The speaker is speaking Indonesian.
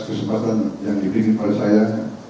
kesempatan yang diberikan oleh saya